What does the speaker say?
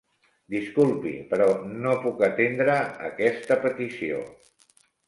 Disculpi, però no puc atendre aquesta petició.